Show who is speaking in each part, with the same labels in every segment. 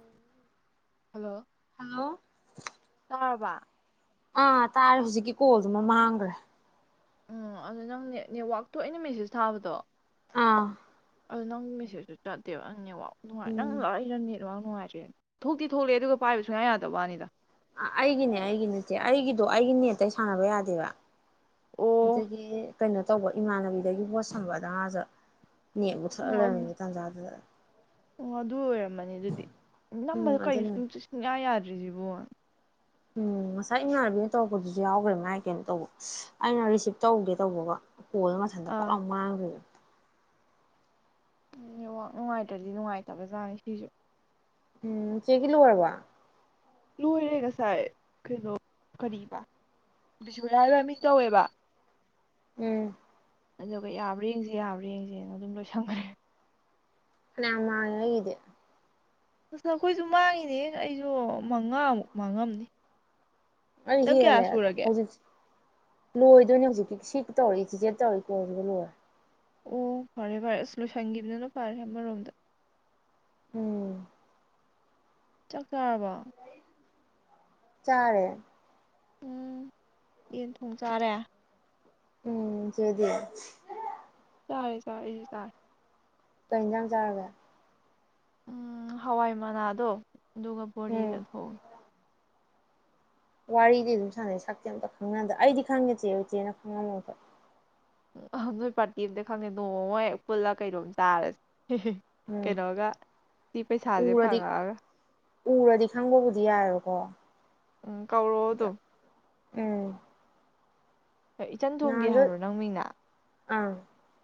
Speaker 1: ꯎꯝ
Speaker 2: hello ꯇꯕꯥ
Speaker 1: ꯑꯥ ꯇꯥꯔꯦ ꯍꯧꯖꯤꯛꯀꯤ ꯀꯣꯜꯗꯨꯃ ꯃꯥꯡꯈ꯭ꯔꯦ
Speaker 2: ꯎꯝ ꯑꯗꯨ ꯅꯪ ꯅꯦꯠꯋꯥꯛ ꯊꯣꯛꯏꯅ ꯃꯦꯁꯦꯖ ꯊꯥꯕꯗꯣ
Speaker 1: ꯑꯥ
Speaker 2: ꯑꯗꯨ ꯅꯪ ꯃꯦꯁꯁꯨ ꯆꯠꯇꯦꯕ ꯅꯪꯅꯦꯕꯣ ꯅꯨꯡꯉꯥꯏ ꯅꯪ
Speaker 1: ꯎꯝ
Speaker 2: ꯂꯥꯛꯏꯔꯅꯤ ꯑꯗꯨ ꯅꯨꯡꯉꯥꯏꯇ꯭ꯔꯦ ꯊꯣꯛꯇꯤ ꯊꯣꯛꯂꯛꯑꯦ ꯑꯗꯨꯒ ꯄꯥꯏꯕ ꯁꯨꯡꯌꯥ ꯌꯥꯗꯕꯅꯤꯗ
Speaker 1: ꯑ ꯑꯩꯒꯤꯅꯦ ꯑꯩꯒꯤ ꯅꯠꯇꯦ ꯑꯩꯒꯤꯗꯣ ꯑꯩꯒꯤ ꯅꯦꯠꯇꯩ ꯁꯥꯟꯅꯕ ꯌꯥꯗꯦꯕ
Speaker 2: ꯑꯣ
Speaker 1: ꯑꯗꯒꯤ ꯀꯩꯅꯣ ꯇꯧꯕ ꯏꯃꯥꯟꯅꯕꯤꯗꯒꯤ ꯄꯣꯠ ꯁꯝꯕ ꯑꯗ ꯉꯥꯁꯦ
Speaker 2: ꯑꯣ ꯑꯗꯨ ꯑꯣ ꯑꯗꯨ ꯑꯣꯏꯔꯝꯃꯅꯤ ꯑꯗꯨꯗꯤ ꯅꯝꯕꯗꯣ
Speaker 1: ꯎꯝ ꯑꯗꯨꯅ
Speaker 2: ꯀꯩꯅ ꯁ ꯁꯨꯡꯌꯥ ꯌꯥꯗꯦ ꯔꯤꯖꯤꯕ
Speaker 1: ꯎꯝ ꯉꯁꯥꯏ ꯏꯃꯥꯟꯅꯕꯤꯅ ꯇꯧꯔꯛꯄꯗꯨꯁꯨ ꯌꯥꯎꯈ꯭ꯔꯦ ꯃꯥꯏ ꯀꯩꯅꯣ ꯇꯧꯕ ꯑꯩꯅ ꯔꯤꯁꯤꯞ ꯇꯧꯒꯦ ꯇꯧꯕꯒ ꯀꯣꯜ ꯃꯁꯟꯗ
Speaker 2: ꯑꯥ
Speaker 1: ꯄꯨꯠꯂꯥꯎ ꯃꯥꯡꯈ꯭ꯦ
Speaker 2: ꯋꯥꯛ ꯅꯨꯡꯉꯥꯏꯇ꯭ꯔꯗꯤ ꯅꯨꯡꯉꯥꯏꯇꯕꯖꯥꯠꯅꯤ ꯁꯤꯁꯨ
Speaker 1: ꯎꯝ ꯆꯦꯒꯂꯨ ꯀꯣꯔꯕ
Speaker 2: ꯂꯣꯏꯔꯦ ꯉꯁꯥꯏꯔ ꯀꯩꯅꯣ ꯀꯔꯤꯕ ꯕꯤꯁꯨꯔꯥ ꯂꯃꯤꯡ ꯇꯧꯋꯦꯕ
Speaker 1: ꯎꯝ
Speaker 2: ꯑꯗꯨꯒ ꯌꯥꯕ꯭ꯔꯥ ꯌꯦꯡꯁꯦ ꯌꯥꯕ꯭ꯔꯥ ꯌꯦꯡꯁꯦꯅ ꯑꯗꯨꯝ ꯂꯣꯏꯁꯪꯈ꯭ꯔꯦ
Speaker 1: ꯃ ꯏꯗꯤ
Speaker 2: ꯑꯁ ꯑꯩꯈꯣꯏꯁꯨ ꯃꯥꯡꯉꯤꯅꯦ ꯑꯩꯁꯨ ꯃꯉꯥꯃꯨꯛ ꯃꯥꯡꯉꯝꯅꯤ
Speaker 1: ꯑꯩ
Speaker 2: ꯅꯪ ꯀꯌꯥ
Speaker 1: ꯍꯦꯜꯂꯦ
Speaker 2: ꯁꯨꯔꯒꯦ
Speaker 1: ꯍꯦꯖꯤꯛ ꯂꯣꯏꯗꯣꯏꯅꯦ ꯍꯧꯖꯤꯛꯀꯤ ꯁꯤ ꯇꯧꯔꯤ ꯆꯤꯆꯦ ꯇꯧꯔꯤ ꯀꯣꯜ ꯁꯤꯒ ꯂꯣꯏꯔꯦ꯫
Speaker 2: ꯑꯣ ꯐꯔꯦ - ꯐꯔꯦ ꯑꯁ ꯂꯣꯏꯁꯟꯈꯤꯕꯗꯨꯅ ꯐꯔꯦ ꯑꯃꯔꯣꯝꯗ꯫
Speaker 1: ꯎꯝ꯫
Speaker 2: ꯆꯥꯛ ꯆꯥꯔꯕꯣ?
Speaker 1: ꯆꯥꯔꯦ ꯫
Speaker 2: ꯎꯝ ꯌꯦꯟ ꯊꯣꯡ ꯆꯥꯔꯦ꯫
Speaker 1: ꯎꯝ ꯆꯦꯗꯤ?
Speaker 2: ꯆꯔꯦ - ꯆꯔꯦ ꯑꯩꯖꯨ ꯆꯔꯦ꯫
Speaker 1: ꯀꯩ ꯏꯟꯖꯥꯡ ꯆꯥꯔꯒꯦ?
Speaker 2: ꯎꯝ ꯍꯋꯥꯏ ꯃꯅꯥꯗꯣ ꯑꯗꯨꯒ ꯕꯣꯔꯤꯒ
Speaker 1: ꯎꯝ
Speaker 2: ꯊꯣꯉꯤ꯫
Speaker 1: ꯋꯥꯔꯤꯗꯤ ꯑꯗꯨꯝ ꯁꯥꯟꯅꯩ ꯁꯛꯇꯦ ꯑꯝꯇ ꯈꯪꯍꯟꯗ ꯑꯩꯗꯤ ꯈꯪꯉꯦ ꯆꯦ ꯆꯦꯅ ꯈꯪꯉꯝ ꯃꯣꯏꯕ
Speaker 2: ꯎ ꯅꯣꯏ ꯄꯥꯔꯇꯤ ꯑꯝꯇ ꯈꯪꯉꯦ ꯅꯣꯡꯃꯃ ꯄꯨꯜꯂꯒ ꯀꯩꯅꯣꯝ ꯆꯥꯔꯁꯦ꯫
Speaker 1: ꯎꯝ
Speaker 2: ꯀꯩꯅꯣꯒ ꯁꯤ ꯄꯩꯁꯥꯁꯦ
Speaker 1: ꯎꯔꯗꯤ
Speaker 2: ꯐꯪꯉꯛꯑꯒ꯫
Speaker 1: ꯎꯔꯗꯤ ꯈꯪꯕꯕꯨꯗꯤ ꯌꯥꯏꯕꯀꯣ
Speaker 2: ꯎꯝ ꯀꯧꯔꯣ ꯑꯗꯨꯝ
Speaker 1: ꯎꯝ꯫
Speaker 2: ꯍꯣꯏ ꯏꯆꯟ ꯊꯣꯝꯕꯤ ꯍꯥꯏꯕ꯭ꯔꯣ ꯅꯪ ꯃꯤꯡ ꯅꯥ?
Speaker 1: ꯑꯥ꯫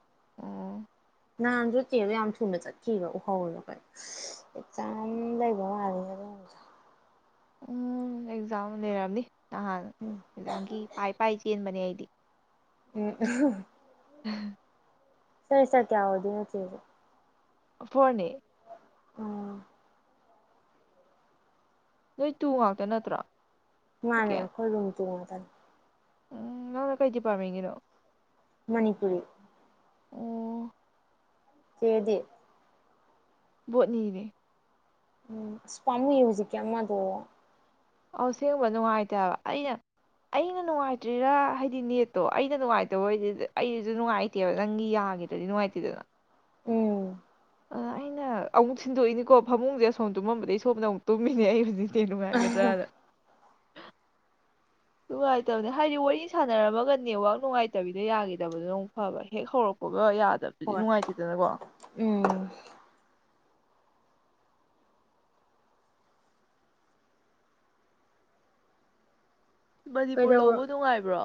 Speaker 2: ꯑ꯫
Speaker 1: ꯅꯍꯥꯟꯁꯨ ꯆꯦꯗꯣ ꯌꯥꯝ ꯊꯨꯅ ꯆꯠꯈꯤꯕ ꯎꯍꯧꯅ ꯑꯩꯈꯣꯏꯅ ꯑꯦꯛꯖꯥꯝ ꯂꯩꯕ ꯃꯥꯜꯂꯤ ꯑꯗꯨ
Speaker 2: ꯎꯝ ꯑꯦꯛꯖꯥꯝ ꯂꯩꯔꯝꯅꯤ꯫ ꯅꯍꯥꯟ
Speaker 1: ꯎꯝ
Speaker 2: ꯑꯦꯛꯖꯥꯝꯒꯤ ꯄꯥꯏ - ꯄꯥꯏ ꯆꯦꯟꯕꯅꯦ ꯑꯩ꯫
Speaker 1: ꯎꯝ
Speaker 2: [unintelligible]
Speaker 1: ꯁꯦꯃꯤꯁꯇꯦꯔ ꯀꯌꯥ ꯑꯣꯏꯗꯣꯏ ꯅꯣ ꯆꯦ ꯖꯦ?
Speaker 2: ꯐꯣꯔꯅꯦ꯫
Speaker 1: ꯑꯥ꯫
Speaker 2: ꯅꯣꯏ ꯇꯨ ꯉꯥꯛꯇ ꯅꯠꯇ꯭ꯔꯣ?
Speaker 1: ꯃꯥꯅꯦ
Speaker 2: ꯁꯦꯀꯦꯟ
Speaker 1: ꯈꯣꯏ [unintelligible]
Speaker 2: ꯎꯝ ꯅꯪꯅ ꯀꯩ ꯗꯤꯄꯥꯔꯠ꯭ ꯃꯦꯟꯠ ꯀꯤꯅꯣ?
Speaker 1: ꯃꯅꯤꯄꯨꯔꯤ꯫
Speaker 2: ꯑꯣ꯫
Speaker 1: ꯆꯦꯗꯤ?
Speaker 2: ꯕꯣꯠꯅꯤ ꯅꯦ ꯫
Speaker 1: ꯎꯝ ꯑꯁ ꯄꯥꯃꯨꯏꯌꯦ ꯍꯨꯖꯤꯛꯀꯤ ꯑꯃ ꯗꯣ
Speaker 2: ꯑꯁꯦꯡꯕ ꯅꯨꯡꯉꯥꯏꯇꯕ ꯑꯩꯅ ꯑꯩꯅ ꯅꯨꯡꯉꯥꯏꯇ꯭ꯔꯤꯔꯥ ꯍꯥꯏꯗꯤ ꯅꯦꯠꯇꯣ ꯑꯩꯅ ꯅꯨꯡꯉꯥꯏꯇꯕ ꯑꯣꯏꯗꯤ ꯑꯩꯁꯨ ꯅꯨꯡꯉꯥꯏꯇꯦꯕ ꯅꯪꯒꯤ ꯌꯥꯈꯤꯗ꯭ꯔꯗꯤ ꯅꯨꯡꯉꯥꯏꯇꯦꯗꯅ
Speaker 1: ꯎꯝ
Speaker 2: ꯑ ꯑꯩꯅ ꯑꯃꯨꯛ ꯁꯤꯟꯗꯣꯛꯏꯅꯤꯀꯣ ꯐꯃꯨꯡꯁꯦ ꯑꯁꯣꯝ ꯇꯨꯝꯃꯝꯕꯗꯒꯤ ꯁꯣꯝꯗ ꯑꯃꯨꯛ ꯇꯨꯝꯃꯤꯅꯦ ꯑꯩ ꯍꯨꯖꯤꯛ [unintelligible] ꯅꯨꯡꯉꯥꯏꯇꯕꯅꯦ ꯍꯥꯏꯗꯤ ꯋꯥꯔꯤ ꯁꯥꯟꯅꯔꯝꯃꯒ ꯅꯦꯠꯋꯥꯛ ꯅꯨꯡꯉꯥꯏꯇꯕꯤꯗꯣ ꯌꯥꯈꯤꯗꯕꯗꯣ ꯅ ꯐꯕ ꯍꯦꯛ ꯍꯧꯔꯛꯄ ꯒ ꯌꯥꯗꯕꯁꯨꯗꯤ
Speaker 1: ꯍꯣꯏ
Speaker 2: ꯅꯨꯡꯉꯥꯏꯇꯦꯗꯅꯀꯣ꯫
Speaker 1: ꯎꯝ
Speaker 2: ꯃꯅꯤꯄꯨꯔ
Speaker 1: ꯀꯩꯗꯔ
Speaker 2: ꯂꯧꯕ ꯅꯨꯡꯉꯥꯏꯕ꯭ꯔꯣ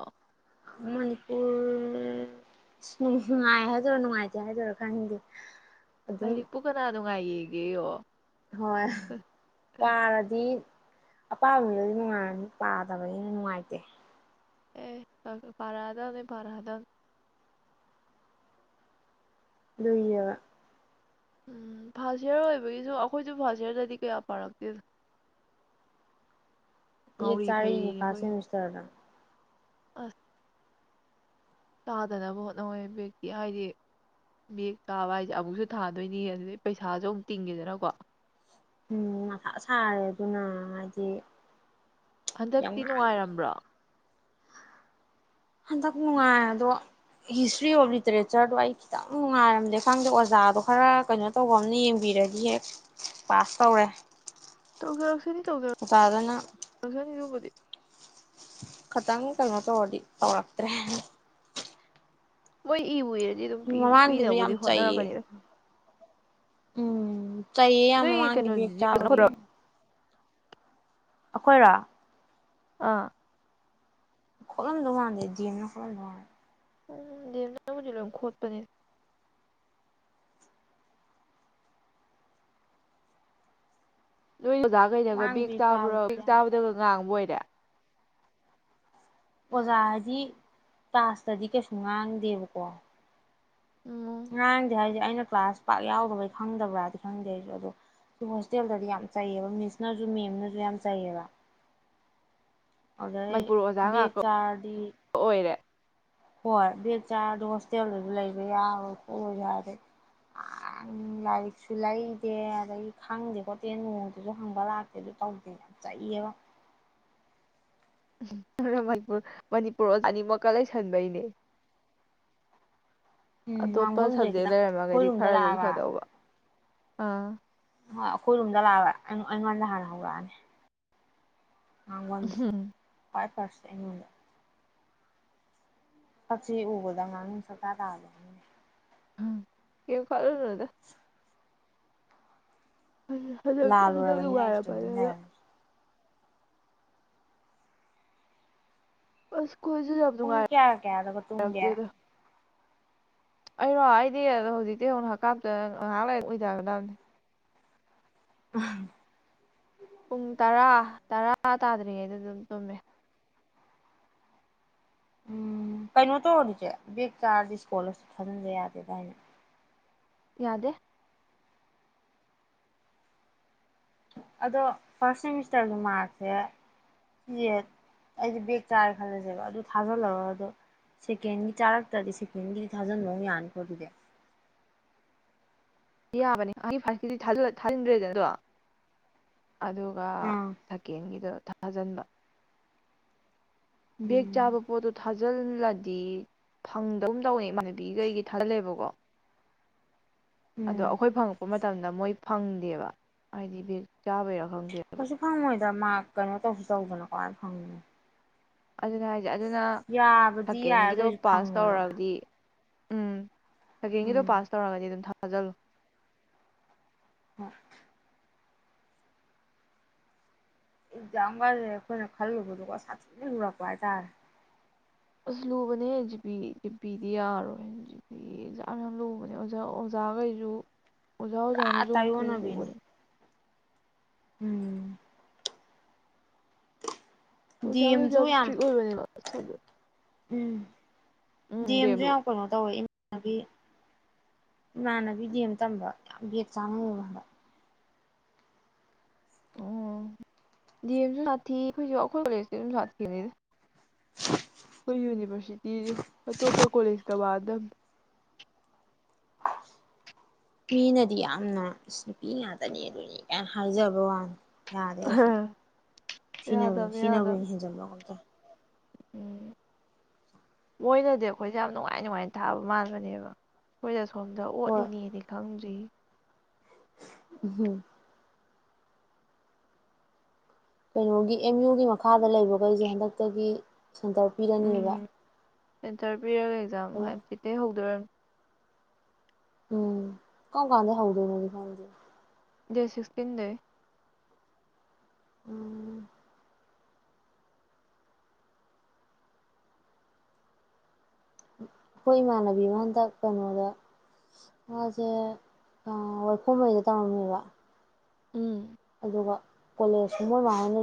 Speaker 1: ꯃꯅꯤꯄꯨꯔ ꯅꯨꯡꯉꯥꯏ ꯍꯥꯏꯗꯔꯣ ꯅꯨꯡꯉꯥꯏꯇꯦ ꯍꯥꯏꯗꯣꯏꯔꯣ ꯈꯪꯗꯦ ꯑꯗꯨꯝ
Speaker 2: ꯂꯔꯤꯛꯄꯨ ꯀꯅꯥ ꯅꯨꯡꯉꯥꯏꯌꯦ ꯑꯣ
Speaker 1: ꯍꯣꯏ ꯄꯥꯔꯗꯤ ꯑꯄꯥꯝꯕꯗꯗꯤꯉꯥꯏꯅꯤ ꯄꯥꯗꯕꯅꯤꯅ ꯅꯨꯡꯉꯥꯏꯇꯦ
Speaker 2: ꯑꯦ ꯄꯔꯥꯗꯅꯦ ꯄꯔꯥꯗꯥ
Speaker 1: ꯂꯨꯏꯕ
Speaker 2: ꯎꯝ ꯐꯥꯥꯁꯁ ꯏꯌꯥꯔ ꯑꯣꯏꯕꯒꯤꯁꯨ ꯑꯩꯈꯣꯏꯁꯨ ꯐꯥꯔꯁ ꯏꯌꯥꯔꯗꯗꯤ ꯀꯌꯥ ꯄꯥꯔꯛꯇꯦꯅꯣ
Speaker 1: ꯆꯥꯔꯅꯤ ꯐꯥꯁꯦ ꯃꯤꯁꯇꯔꯗ
Speaker 2: ꯑ ꯆꯥꯗꯅꯕ ꯍꯣꯠꯅꯋꯣꯏ ꯕꯦꯛꯇꯤ ꯍꯥꯏꯗꯤ ꯕꯒ ꯆꯥꯕ ꯍꯥꯏꯁꯦ ꯑꯃꯨꯛꯁꯨ ꯊꯥꯗꯣꯏꯅꯤ ꯑꯗꯨꯗꯤꯩ ꯄꯩꯁꯥꯁꯨ ꯑꯃꯨꯛ ꯇꯤꯡꯒꯦꯗꯅꯀꯣ
Speaker 1: ꯎꯝ ꯃꯁꯥ ꯁꯥꯔꯦ ꯑꯗꯨꯅ ꯍꯥꯏꯗꯤ ꯌꯥꯝ
Speaker 2: ꯍꯟꯗꯛꯇꯤ
Speaker 1: ꯉꯥꯡ
Speaker 2: ꯅꯨꯡꯉꯥꯏꯔꯝꯕ꯭ꯔꯣ
Speaker 1: ꯍꯟꯗꯛ ꯅꯨꯡꯉꯥꯏꯔ ꯑꯗꯣ ꯍꯤꯁꯇ꯭ꯔꯤ ꯑꯣꯐ ꯂꯤꯇꯔꯦꯆꯔꯗꯣ ꯑꯩ ꯈꯤꯇꯪ ꯅꯨꯡꯉꯥꯏꯔꯝꯗꯦ ꯈꯪꯗꯦ ꯑꯣꯖꯥꯗꯣ ꯈꯔ ꯀꯩꯅꯣ ꯇꯧꯕ ꯑꯃꯅ ꯌꯦꯡꯕꯤꯔꯗꯤ ꯍꯦꯛ ꯄꯥꯁ ꯇꯧꯔꯦ
Speaker 2: ꯇꯧꯖꯔꯛꯁꯤꯅꯤ
Speaker 1: ꯑꯣꯖꯥꯗꯨꯅ
Speaker 2: ꯇꯧꯖꯔꯅꯤ ꯑꯗꯨꯕꯨꯗꯤ
Speaker 1: ꯈꯤꯇꯪ ꯀꯩꯅꯣ ꯇꯧꯔꯗꯤ ꯇꯧꯔꯛꯇ꯭ꯔꯦ
Speaker 2: ꯋꯥꯣꯏ ꯏꯕꯨꯌꯦ
Speaker 1: ꯃꯃꯥꯡꯒꯤꯁꯨ ꯌꯥꯝ ꯆꯥꯌꯦ ꯎꯝ ꯆꯍꯤꯌꯦ ꯌꯥꯝ
Speaker 2: ꯅꯣꯏ
Speaker 1: ꯃꯃꯥꯡꯒꯤ
Speaker 2: ꯀꯩꯅꯣ
Speaker 1: ꯕꯦꯛ ꯆꯥꯕꯒꯤ
Speaker 2: ꯖꯤꯞꯅ
Speaker 1: ꯑꯩꯈꯣꯏꯔꯥ
Speaker 2: ꯑꯥ
Speaker 1: ꯈꯨꯣꯂꯂꯝꯗꯉꯗꯦꯗꯤꯅ ꯈꯨꯂꯂꯝꯗꯉ
Speaker 2: ꯎꯝ ꯗꯦꯕꯅꯥꯒ ꯂ ꯈꯣꯠꯄꯅꯦ ꯅꯣꯏ ꯑꯣꯖꯥꯈꯩꯗꯒ
Speaker 1: ꯃꯃꯥꯡ
Speaker 2: ꯕꯦꯛ ꯆꯥꯕ꯭ꯔꯣ
Speaker 1: ꯆꯥꯕꯗꯨꯗꯤ
Speaker 2: ꯕꯦꯛ
Speaker 1: ꯌꯥꯝ
Speaker 2: ꯆꯥꯕꯗꯒ
Speaker 1: ꯆꯩꯕ
Speaker 2: ꯉꯥꯡꯕ ꯑꯣꯏꯣꯏꯔꯦ
Speaker 1: ꯑꯣꯖꯥ ꯍꯥꯏꯗꯤ ꯇꯥꯁꯇꯗꯤ ꯀꯩꯁꯨ ꯉꯥꯡꯗꯦꯕꯀꯣ
Speaker 2: ꯎꯝ
Speaker 1: ꯉꯥꯡꯗꯦ ꯍꯥꯏꯁꯦ ꯑꯩꯅ ꯀ꯭ꯂꯥꯁ ꯄꯥꯛ ꯌꯥꯎꯗꯕꯩ ꯈꯪꯗꯕ꯭ꯔꯥꯗꯤ ꯈꯪꯗꯦ ꯑꯩꯁꯨ ꯑꯗꯣ ꯁꯤ ꯍꯣꯁꯇꯦꯜꯗꯗꯤ ꯌꯥꯝ ꯆꯩꯌꯦꯕ ꯃꯤꯁꯅꯁꯨ ꯃꯦꯝꯅꯁꯨ ꯌꯥꯝ ꯆꯩꯩꯌꯦꯕ ꯑꯗꯨꯖꯩ
Speaker 2: ꯃꯅꯤꯄꯨꯔ ꯑꯣꯖꯥ
Speaker 1: ꯕꯦ
Speaker 2: ꯉꯥꯛꯇ
Speaker 1: ꯆꯔꯗꯤ
Speaker 2: ꯑꯣꯏꯔꯦ
Speaker 1: ꯍꯣꯏ ꯕꯦꯦꯛ ꯆꯥꯔꯗꯤ ꯍꯣꯁꯇꯦꯜ ꯑꯣꯏꯕ ꯂꯩꯕ ꯌꯥꯔꯣꯏ ꯈꯣꯠꯂꯣꯏꯁꯨ ꯍꯥꯏꯗꯤꯩ ꯑ ꯂꯥꯏꯔꯤꯛꯁꯨ ꯂꯩꯇꯦ ꯑꯗꯩ ꯈꯪꯗꯦ ꯈꯣꯠꯇꯦ ꯅꯣꯡꯇꯁꯨ ꯍꯪꯕ ꯂꯥꯛꯇꯦ ꯑꯗꯨ ꯇꯧꯗꯦ ꯌꯥꯝ ꯆꯛꯌꯦꯕ
Speaker 2: ꯃꯅꯤꯄꯨꯔ ꯃꯅꯤꯄꯨꯔꯣ ꯑꯅꯤꯃꯛꯀ ꯂꯩꯁꯟꯕꯩꯅꯦ
Speaker 1: ꯎꯝ
Speaker 2: ꯑꯇꯣꯞꯄ
Speaker 1: ꯉꯥꯡꯐꯝꯁꯦ
Speaker 2: ꯁꯕꯖꯦꯛ
Speaker 1: ꯈꯤꯇꯪ ꯑꯩꯈꯣꯏ
Speaker 2: ꯂꯩꯔꯝꯃꯒꯗꯤ
Speaker 1: ꯔꯨꯝꯗ
Speaker 2: ꯈꯔꯁꯨ
Speaker 1: ꯂꯥꯛꯑꯕ
Speaker 2: ꯁꯣꯏꯗꯧꯕ ꯑꯥ
Speaker 1: ꯍꯣꯏ ꯑꯩꯈꯣꯏꯔꯣꯝꯗ ꯂꯥꯛꯑꯕ ꯑꯩꯉꯣꯟꯗ ꯍꯥꯟꯅ ꯍꯧꯔꯛꯑꯅꯤ ꯑꯥꯡꯉꯁꯤ ꯄꯠ ꯄꯔꯁ ꯑꯩꯉꯣꯟꯗ ꯐꯁꯤ ꯎꯕꯗ ꯉꯅꯤ ꯁꯇ ꯇꯥꯒ
Speaker 2: ꯎꯝ ꯀꯩꯝ ꯈꯜꯂꯨꯅꯨꯗ ꯍꯟ ꯍꯟꯂꯛ ꯍꯟꯗꯛ
Speaker 1: ꯂꯥꯜꯂꯨꯔꯕꯅꯤꯅ ꯑꯩꯁꯨ ꯇꯨꯃꯤꯟ
Speaker 2: ꯂꯨꯉꯥꯏꯔꯕꯅꯤ ꯍꯂꯛ
Speaker 1: ꯂꯩꯔꯅꯤ
Speaker 2: ꯑꯁ ꯈꯣꯏꯁꯨ ꯌꯥꯝ
Speaker 1: ꯄꯨꯡ ꯀꯌꯥ ꯀꯌꯥꯗꯒ ꯇꯨꯝꯒꯦ
Speaker 2: ꯅꯨꯡꯉꯥꯏꯔꯛꯇꯦꯗ ꯑꯩꯔꯣ ꯑꯩꯗꯤ ꯑꯗꯣ ꯍꯧꯖꯤꯛꯇꯩ ꯍꯧ ꯅ ꯍꯥꯀꯥꯝ ꯆꯜ ꯉꯍꯥꯛ ꯂꯩꯔ ꯎꯏꯗꯒꯔꯗꯝꯅꯤ
Speaker 1: [unintelligible]
Speaker 2: ꯄꯨꯡ ꯇꯔꯥ ꯇꯔꯥ ꯇꯥꯗ꯭ꯔꯤꯉꯩꯗ ꯑꯗꯨꯝ ꯇꯨꯝꯃꯦ
Speaker 1: ꯎꯝ ꯀꯩꯅꯣ ꯇꯧꯔꯗꯤꯆꯦ ꯕꯦꯛ ꯆꯥꯔꯗꯤ ꯏꯁꯀꯣꯜꯂꯔꯁꯤꯞ ꯊꯥꯖꯟꯕ ꯌꯥꯗꯦ ꯗꯥꯏꯅꯦ
Speaker 2: ꯌꯥꯗꯦ
Speaker 1: ꯑꯗꯣ ꯐꯥꯔꯁ ꯁꯦꯃꯤꯁꯇꯔꯗ ꯃꯥꯛꯁꯦ [unintelligible] ꯑꯩꯗꯤ ꯕꯦꯒ ꯆꯥꯔꯦ ꯈꯜꯂꯖꯦꯕ ꯑꯗꯨ ꯊꯥꯖꯜꯂꯒ ꯑꯗꯣ ꯁꯦꯀꯦꯟꯒꯤ ꯆꯥꯔꯛꯇ꯭ꯔꯗꯤ ꯁꯦꯀꯦꯟꯒꯤ ꯊꯥꯖꯟꯕ ꯑꯃꯨꯛ ꯌꯥꯅꯤꯀꯣ ꯑꯗꯨꯗꯤ
Speaker 2: ꯌꯥꯕꯅꯦ ꯑꯩꯒꯤ ꯐꯥꯁꯀꯤꯗꯤ ꯊꯥꯖꯤꯟꯗ꯭ꯔꯦꯗ ꯑꯗꯣ ꯑꯗꯨꯒ
Speaker 1: ꯑꯥ
Speaker 2: ꯁꯀꯦꯟꯒꯤꯗꯣ ꯊꯥꯖꯟꯕ ꯕꯦꯛ
Speaker 1: ꯎꯝ
Speaker 2: ꯆꯥꯕ ꯄꯣꯠꯇꯣ ꯊꯥꯖ ꯊꯥꯖꯜꯂꯗꯤ ꯐꯪꯗꯒꯨꯝ ꯇꯧꯋꯦ ꯏꯃꯥꯟꯅꯕꯤꯒꯤꯗꯣ ꯑꯩꯒꯤ ꯊꯥꯖꯜꯂꯦꯕꯀꯣ ꯑꯗꯣ
Speaker 1: ꯎꯝ
Speaker 2: ꯑꯈꯣꯏ ꯐꯪꯉꯛꯄ ꯃꯇꯝ ꯇꯝꯗ ꯃꯣꯏ ꯐꯪꯗꯦꯕ ꯍꯥꯏꯗꯤ ꯕꯦꯛ ꯆꯥꯕꯩꯔꯛ
Speaker 1: ꯀꯁꯨ ꯐꯪꯉꯣꯏ ꯗ ꯃꯥꯛ ꯀꯩꯅꯣ ꯇꯧꯁꯨ ꯇꯧꯗꯅ ꯀꯃꯥꯏ ꯐꯪ
Speaker 2: ꯑꯗꯨꯅꯦ ꯍꯥꯏ ꯑꯗꯨꯅ
Speaker 1: ꯌꯥꯕꯗꯤ ꯌꯥꯏ ꯑꯗꯨ
Speaker 2: ꯁꯀꯦꯟꯒꯤꯗꯣ
Speaker 1: ꯑꯣꯏꯁꯨ
Speaker 2: ꯄꯥꯁ
Speaker 1: ꯐꯪꯉꯣꯏꯕ
Speaker 2: ꯇꯧꯔꯗꯤ ꯁꯀꯦꯟꯒꯤꯗꯣ
Speaker 1: ꯎꯝ
Speaker 2: ꯄꯥꯁ ꯇꯧꯔꯒꯗꯤ ꯑꯗꯨꯝ ꯊ ꯊꯥꯖꯜꯂꯨ
Speaker 1: ꯍꯣꯏ ꯑꯦꯛꯖꯥꯝ ꯒꯥꯖꯦ ꯑꯈꯣꯏꯅ ꯈꯜꯂꯨꯕꯗꯨꯒ ꯁꯥꯊꯤꯅ ꯂꯨꯔꯝꯕ ꯍꯥꯏꯇꯥꯔꯦ
Speaker 2: ꯑꯁ ꯂꯨꯕꯅꯦ ꯖꯤꯄꯤ ꯖꯤꯄꯤꯗꯤ ꯌꯥꯔꯣꯏ ꯖꯤꯄꯤ ꯖꯥꯝ ꯌꯥꯝ ꯂꯨꯕꯅꯦ ꯑꯣꯖꯥ ꯑꯣꯖꯥꯒꯩꯖꯨ ꯑꯣꯖꯥ
Speaker 1: ꯄꯨꯔꯥ
Speaker 2: ꯑꯣꯖꯥꯅꯖꯨ ꯑꯃꯨꯛ ꯄꯨ
Speaker 1: ꯇꯥꯏꯌꯣꯟꯅꯕꯤꯅꯤ
Speaker 2: ꯄꯨꯕꯅꯤ
Speaker 1: ꯎꯝ [unintelligible] ꯗꯤ
Speaker 2: ꯑꯣꯖꯥꯒꯩꯖꯦ
Speaker 1: ꯑꯦꯝꯁꯨ
Speaker 2: ꯌꯥꯝ ꯏꯁꯇ꯭ꯔꯤꯛ ꯑꯣꯏꯕꯅꯦꯕ
Speaker 1: ꯎꯝ ꯗꯤ
Speaker 2: ꯎꯝ
Speaker 1: ꯌꯦꯝ ꯖꯨ
Speaker 2: ꯗꯦꯝꯗꯣ
Speaker 1: ꯌꯥꯝ ꯀꯩꯅꯣ ꯇꯧꯋꯦ ꯅꯕꯤ ꯏꯃꯥꯟꯅꯕꯤ ꯗꯤ ꯑꯦꯝ ꯇꯝꯕ ꯌꯥꯝ ꯕꯦꯛ ꯆꯥꯅꯩꯕ ꯍꯟꯗꯛ
Speaker 2: ꯑꯣ ꯗꯤꯑꯦꯝꯖꯨ ꯁꯥꯊꯤ ꯑꯈꯣꯏꯖꯨ ꯑꯈꯣꯏ ꯀꯣꯂꯦꯖꯇꯤ ꯑꯗꯨꯝ ꯁꯥꯊꯤꯕꯅꯤ ꯑꯈꯣꯏ ꯌꯨꯅꯤꯕꯔꯁꯤꯇꯤꯖꯦ ꯑꯇꯣꯞꯄ ꯀꯣꯂꯦꯖ ꯀ ꯃꯥꯟ ꯗꯝ
Speaker 1: ꯃꯤꯅꯗꯤ ꯌꯥꯝꯅ ꯑꯁ ꯅꯨꯄꯤ ꯉꯥꯛꯇꯅꯤ ꯑꯗꯨꯅꯤ ꯀꯥꯏ ꯍꯥꯏꯖꯕ ꯋꯥꯅꯤ ꯌꯥꯔꯦ ꯑꯩꯁꯨꯨꯝ ꯁꯤꯅꯕꯨ
Speaker 2: ꯌꯥꯗꯕꯅꯤ
Speaker 1: ꯁꯤꯅꯕꯨ ꯍꯦꯟ
Speaker 2: ꯌꯥꯗꯕꯅꯤ
Speaker 1: ꯍꯦꯟꯖꯟꯕꯔ꯭ ꯀꯩ ꯅꯣꯝ ꯇꯧꯏ
Speaker 2: ꯎꯝ ꯃꯣꯏꯅꯗꯤ ꯑꯩꯈꯣꯏꯁꯦ ꯌꯥꯝ ꯅꯨꯡꯉꯥꯏ ꯅꯨꯡꯉꯥꯏꯅ ꯊꯥꯕ ꯃꯥꯟꯕꯅꯦꯕ ꯑꯩꯈꯣꯏꯗ ꯃꯐꯝꯗ
Speaker 1: ꯍꯣꯏ
Speaker 2: ꯑꯣꯠꯂꯤꯅꯦꯗꯤ ꯈꯪꯗ꯭ꯔꯤ
Speaker 1: ꯎꯝ ꯀꯩꯅꯣꯒꯤ ꯑꯦꯝ ꯌꯨꯒꯤ ꯃꯈꯥꯗ ꯂꯩꯕꯈꯩꯁꯦ ꯍꯟꯗꯛꯇꯒꯤ ꯁꯟꯗꯣꯔꯄꯤꯔꯅꯦꯕ
Speaker 2: ꯍꯦꯟꯇꯔ ꯄꯤꯔꯒ ꯑꯦꯛꯖꯥꯝ ꯍꯥꯡꯆꯤꯠꯇꯩꯩ ꯍꯧꯗꯣꯏꯔꯝꯅꯤ
Speaker 1: ꯎꯝ ꯀ ꯀꯥꯟꯗ ꯍꯧꯥꯎꯗꯦꯒꯤ ꯐꯗ
Speaker 2: ꯗꯦ ꯁꯤꯛꯁꯇꯤꯟ ꯗꯦ
Speaker 1: ꯎꯝ ꯑꯩꯈꯣꯏ ꯏꯃꯥꯟꯅꯕꯤ ꯑꯃ ꯍꯟꯗꯛ ꯀꯩꯅꯣꯗ ꯃꯥꯁꯦ ꯋꯥꯏꯈꯣꯉꯩꯗ ꯇꯧꯔꯝꯃꯦꯕ
Speaker 2: ꯎꯝ
Speaker 1: ꯑꯗꯨꯒ ꯀꯣꯂꯦꯖꯀꯨꯝꯕ ꯃꯥꯅ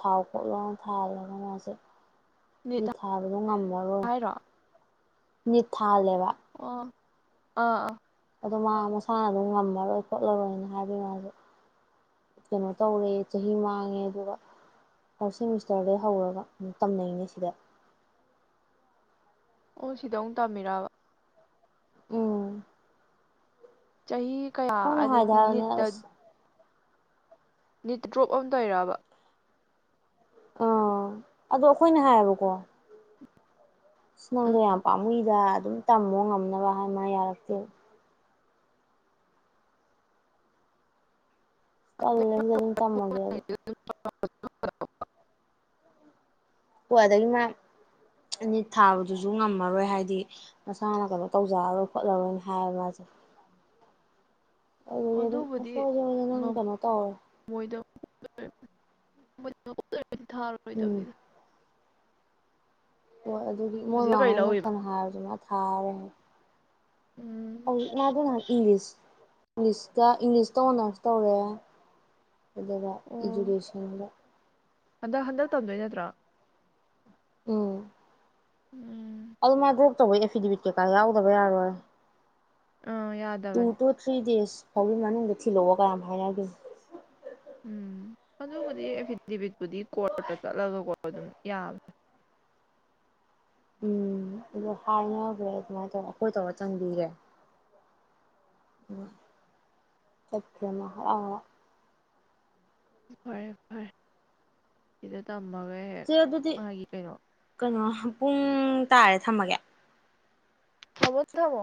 Speaker 1: ꯊꯥꯎ ꯈꯣꯠꯂ ꯊꯥꯍꯜꯂꯒ ꯃꯥꯁꯦ ꯃꯤ
Speaker 2: ꯅꯤꯠ
Speaker 1: ꯊꯥꯕꯗꯣ ꯉꯝꯕꯔꯣꯏ
Speaker 2: ꯍꯥꯏꯔꯣ
Speaker 1: ꯃꯤ ꯊꯥꯜꯂꯦꯕ
Speaker 2: ꯑꯣ ꯑꯥ ꯑ
Speaker 1: ꯑꯗꯣ ꯃꯥ ꯃꯁꯥꯅ ꯑꯗꯨꯝ ꯉꯝꯃꯔꯣꯏ ꯈꯣꯠꯂꯔꯣꯏꯅ ꯍꯥꯏꯕꯒꯤ ꯃꯥꯁ ꯀꯩꯅꯣ ꯇꯧꯔꯦ ꯆꯍꯤ ꯃꯥꯡꯉꯦ ꯑꯗꯨꯒ ꯐꯥꯔꯁ ꯁꯦꯃꯤꯁꯇꯔꯗꯩ ꯍꯧꯔꯒ ꯇꯝꯅꯩꯅꯦ ꯁꯤꯗ
Speaker 2: ꯑꯣ ꯁꯤꯗ ꯑꯃꯨꯛ ꯇꯥꯃꯤꯔꯛꯕ
Speaker 1: ꯎꯝ
Speaker 2: ꯆꯍꯤ ꯀꯌꯥ
Speaker 1: ꯑꯩꯈꯣꯏꯅ ꯍꯥꯏꯗ
Speaker 2: ꯑꯗꯩꯗꯤ
Speaker 1: ꯍꯥꯏꯕꯅꯦ
Speaker 2: ꯅꯤꯠꯇ
Speaker 1: ꯑꯁ
Speaker 2: ꯅꯤꯠ ꯗ꯭ꯔꯣꯞ ꯑꯝꯗ ꯑꯣꯏꯔꯕ
Speaker 1: ꯑꯣ ꯑꯗꯣ ꯑꯩꯈꯣꯏꯅ ꯍꯥꯏꯌꯦꯕꯀꯣ ꯑ
Speaker 2: ꯎꯝ
Speaker 1: ꯅꯪꯗꯣ ꯌꯥꯝ ꯄꯥꯝꯃꯨꯏꯗ ꯑꯗꯨꯝ ꯇꯝꯃꯣ ꯉꯝꯅꯕ ꯍꯥꯏꯃ ꯌꯥꯔꯛꯇꯦ ꯂ ꯑꯗꯨꯝ ꯇꯝꯃꯒꯦꯦ
Speaker 2: [inaudible]
Speaker 1: ꯍ ꯑꯗꯨꯗꯒꯤ ꯃꯥ ꯑꯅꯤ ꯊꯥꯕꯗꯨꯁꯨ ꯉꯝꯃꯔꯣꯏ ꯍꯥꯏꯗꯤ ꯃꯁꯥꯅ ꯀꯩꯅꯣ ꯇꯧꯖꯔꯔꯣꯏ ꯈꯣꯠꯂꯔꯣꯏꯅ ꯍꯥꯏꯕ ꯃꯥꯁꯦ ꯑꯗꯨꯗꯒꯤ ꯑꯗꯨꯝ ꯑꯁ
Speaker 2: ꯑꯗꯨꯕꯨꯗꯤ
Speaker 1: ꯁꯣꯏꯁꯦ ꯍꯣꯏꯁꯦ ꯅꯪ ꯀꯩꯅꯣ ꯇꯧꯔꯦ
Speaker 2: ꯉꯝꯃꯣꯏꯗ [inaudible]
Speaker 1: ꯎꯝ
Speaker 2: ꯊꯥꯔꯣꯏꯗꯕꯅꯤꯅ
Speaker 1: ꯍꯣꯏ ꯑꯗꯨꯗꯤ
Speaker 2: ꯍꯧꯖꯤꯛ
Speaker 1: ꯃꯣꯏꯃꯥ
Speaker 2: ꯀꯩ
Speaker 1: ꯍꯣꯏꯅ
Speaker 2: ꯂꯧꯔꯤꯕ
Speaker 1: ꯐꯅ ꯍꯥꯏꯔꯗꯨꯅ ꯊꯥꯔꯦ
Speaker 2: ꯎꯝ
Speaker 1: ꯍꯧꯖꯤꯛ ꯃꯥꯗꯨ ꯏꯪꯂꯤꯁ ꯏꯪꯂꯤꯁꯇ ꯏꯪꯂꯤꯁꯇ ꯑꯣꯅꯔ꯭ꯁ ꯇꯧꯔꯦ ꯑꯗꯨꯗꯕ
Speaker 2: ꯑꯣ
Speaker 1: ꯏꯗꯨꯨꯀꯦꯁꯟ
Speaker 2: ꯍꯟꯗꯛ ꯍꯟꯗꯛ ꯇꯝꯗꯣꯏ ꯅꯠꯇ꯭ꯔꯥ
Speaker 1: ꯎꯝ
Speaker 2: ꯎꯝ
Speaker 1: ꯑꯗꯨ ꯃꯥ ꯗ꯭ꯔꯣꯞ ꯇꯧꯕꯩ ꯑꯦꯐꯤꯗꯦꯕꯤꯠ ꯀꯩꯀꯥ ꯌꯥꯎꯗꯕ ꯌꯥꯔꯣꯏ
Speaker 2: ꯑꯥ
Speaker 1: ꯇꯨ
Speaker 2: ꯌꯥꯗꯕꯅꯦ
Speaker 1: ꯇꯨ ꯊ꯭ꯔꯤ ꯗꯦꯁ ꯐꯧꯒꯤ ꯃꯅꯨꯡꯗ ꯊꯤꯜꯂꯛꯑꯣ ꯀꯥꯏꯌꯥꯝ ꯍꯥꯏꯅꯒꯤꯝꯅꯤ
Speaker 2: ꯎꯝ ꯑꯗꯨꯕꯨꯗꯤ ꯑꯦꯐꯤꯗꯦꯚꯤꯠꯄꯨꯗꯤ ꯀꯣꯔꯠꯇ ꯆꯠꯂꯒꯀꯣ ꯑꯗꯨꯝ ꯌꯥꯕꯅꯦ
Speaker 1: ꯎꯝ ꯑꯗꯨ ꯍꯥꯏꯅꯈ꯭ꯔꯦ ꯑꯗꯨꯃꯥꯏꯅ ꯇꯧꯔ ꯑꯩꯈꯣꯏ ꯇꯧꯔ ꯆꯪꯕꯤꯔꯦ ꯎꯝ ꯆꯠꯈꯦ
Speaker 2: ꯐꯔꯦ ꯐꯔꯦ ꯁꯤꯗ ꯇꯝ
Speaker 1: ꯆꯦ ꯑꯗꯨꯗꯤ ꯀꯩꯅꯣ ꯄꯨꯡ ꯇꯥꯔꯦ ꯊꯝꯃꯒꯦ
Speaker 2: ꯊꯝꯃꯣ ꯊꯝꯃꯣ